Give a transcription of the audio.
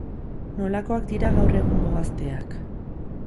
Nolakoak dira gaur egungo gazteak.